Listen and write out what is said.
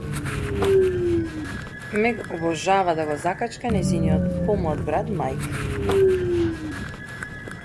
Meg loves to bug her younger brother Mike.